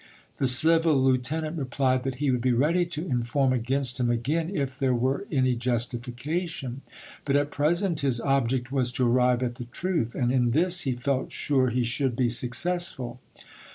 The civil lieutenant replied that he would be ready to inform against him again if there were any justification, but at present his object was to arrive at the truth, and in this he felt sure he should be successful.